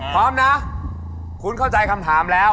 พร้อมนะคุณเข้าใจคำถามแล้ว